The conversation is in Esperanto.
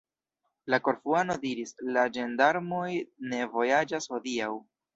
La Korfuano diris: "La ĝendarmoj ne vojaĝas hodiaŭ."